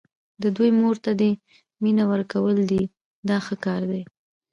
د دوی مور ته دې مینه ورکول دي دا ښه کار دی.